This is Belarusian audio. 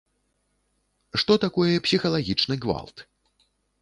Што такое псіхалагічны гвалт?